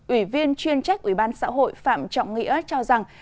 ủy viên chuyên trách ủy ban xã hội phạm trọng nghĩa cho rằng